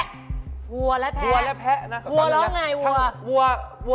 บัวและหัว